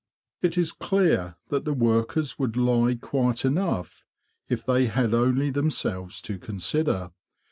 It is clear that the workers would lie quiet enough, if they had only themselves to consider.